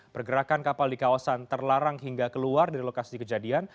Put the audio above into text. pergerakan kapal di kawasan terlarang hingga keluar dari lokasi kejadian